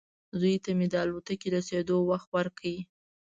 زوی ته مې د الوتکې رسېدو وخت ورکړ.